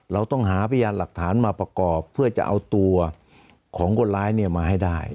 เราต้องหาพยานหลักฐานมาประกอบเพื่อจะเอาตัวของคนร้ายมาให้ได้